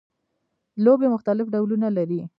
لوبیې مختلف ډولونه لري